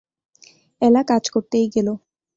এলা কাজ করতেই গেল।